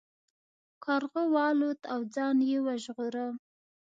کارغه والوت او ځان یې وژغوره.